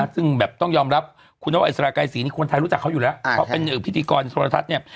ซึ่งแบบต้องยอมรับคุณนกอิสราไกรศรีนี่คนไทยรู้จักเขาอยู่แล้วเพราะเป็นพิธีกรโทรทัศน์เนี่ย